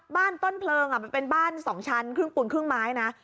บ้านต้นเพลิงเป็นบ้านสองชั้นครึ่งปุ่นครึ่งไม้นะ